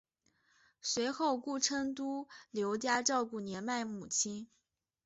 随后顾琛都留家照顾年迈母亲。